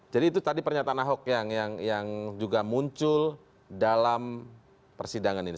jadi itu tadi pernyataan ahok yang juga muncul dalam persidangan ini